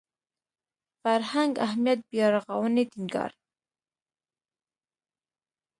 فرهنګ اهمیت بیارغاونې ټینګار